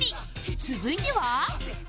続いては